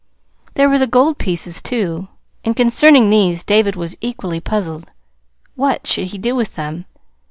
There were the gold pieces, too; and concerning these David was equally puzzled. What should he do with them?